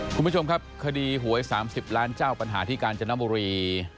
คุณผู้ชมครับคดีหวย๓๐ล้านเจ้าปัญหาที่กาญจนบุรี